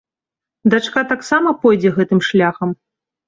Дачка таксама пойдзе гэтым шляхам?